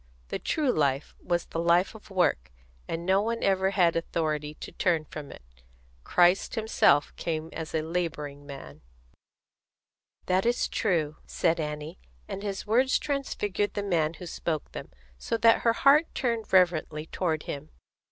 The true life was the life of work, and no one ever had authority to turn from it. Christ Himself came as a labouring man." "That is true," said Annie; and his words transfigured the man who spoke them, so that her heart turned reverently toward him.